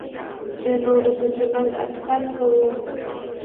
د نورو د چلند اټکل کوو.